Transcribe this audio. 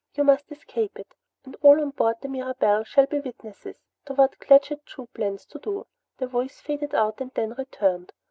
You must escape it, and all on board the Mirabelle shall be witnesses to what Claggett Chew plans to do." The voice faded out and then returned.